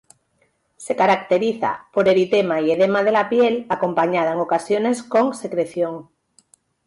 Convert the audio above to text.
Se caracteriza por eritema y edema de la piel acompañada en ocasiones con secreción.